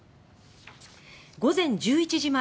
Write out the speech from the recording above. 午前１１時前